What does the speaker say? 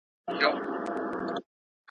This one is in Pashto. زورور یم خو څوک نه آزارومه.